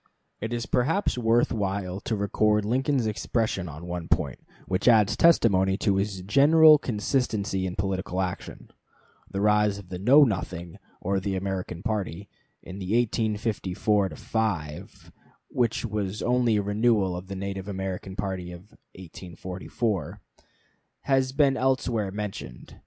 It is perhaps worth while to record Lincoln's expression on one point, which adds testimony to his general consistency in political action. The rise of the Know Nothing or the American party, in 1854 5 (which was only a renewal of the Native American party of 1844), has been elsewhere mentioned.